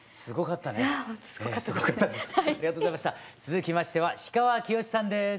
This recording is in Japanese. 続きましては氷川きよしさんです。